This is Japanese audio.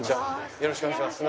よろしくお願いします。